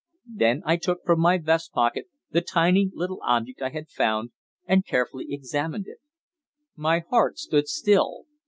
Then I took from my vest pocket the tiny little object I had found and carefully examined it. My heart stood still.